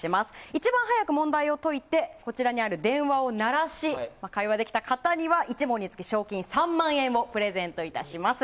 一番早く問題を解いてこちらにある電話を鳴らし会話できた方は１問につき賞金３万円をプレゼントいたします。